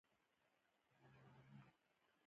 قانون یو څوک له کار منع کولی شي.